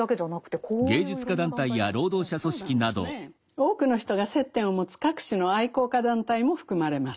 多くの人が接点を持つ各種の愛好家団体も含まれます。